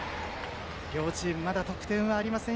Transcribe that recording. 両チームまだ得点はありません。